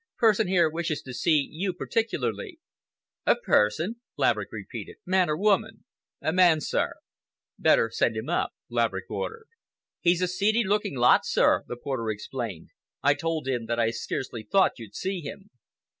"Person here wishes to see you particularly." "A person!" Laverick repeated. "Man or woman?" "Man, sir. "Better send him up," Laverick ordered. "He's a seedy looking lot, sir," the porter explained "I told him that I scarcely thought you'd see him."